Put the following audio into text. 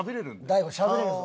大悟しゃべれるぞ。